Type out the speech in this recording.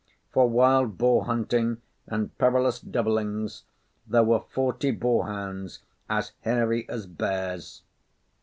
For wild boar hunting and perilous doublings, there were forty boarhounds as hairy as bears.